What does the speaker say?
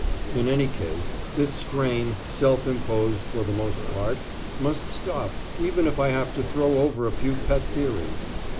In any case this strain, self imposed for the most part, must stop even if I have to throw over a few pet theories.